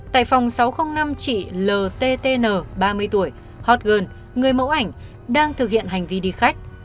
tại phòng sáu trăm linh năm chị ltn ba mươi tuổi hot girl người mẫu ảnh đang thực hiện hành vi đi khách